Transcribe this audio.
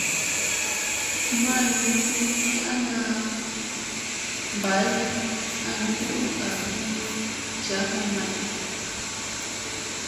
Mal mbuslna dii ana baaya nam ni u agi gaw may.